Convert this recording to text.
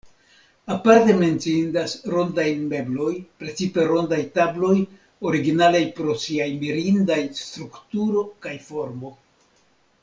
Aparte menciindas rondaj mebloj, precipe rondaj tabloj, originalaj pro siaj mirindaj strukturo kaj formo.